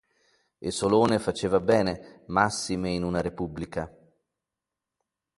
E Solone faceva bene, massime in una repubblica.